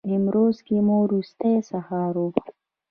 نیمروز کې مو وروستی سهار و.